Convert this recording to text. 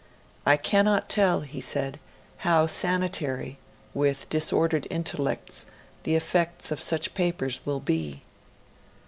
I cannot tell,' he said, 'how sanitary, with disordered intellects, the effects of such papers will be.'